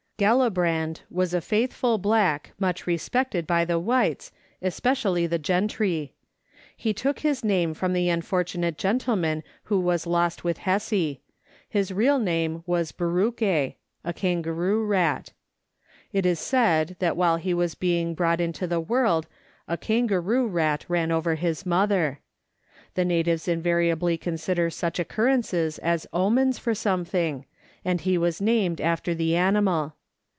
Gellibrand. Was a faithful black, much respected by the whites, especially the gentry; he took his name from the unfortu nate gentleman who was lost with Hesse ; his real name was Beruke (a kangaroo rat). It is said that while he was being brought into the world a kangaroo rat ran over his mother. The natives invariably consider such occurrences as omens for something, and he was named after the animal.